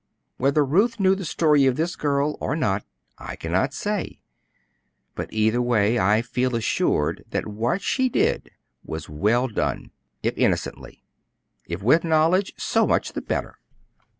Whether Ruth knew the story of this girl or not, I cannot say, but either way I feel assured that what she did was well done if innocently; if with knowledge, so much the better.